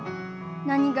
何が？